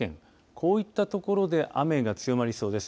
こういったところで雨が強まりそうです。